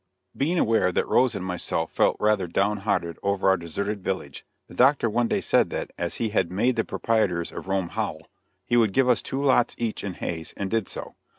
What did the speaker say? Being aware that Rose and myself felt rather downhearted over our deserted village, the Doctor one day said that, as he had made the proprietors of Rome "howl," he would give us two lots each in Hays, and did so.